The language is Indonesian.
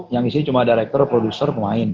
yang isinya cuma director produser pemain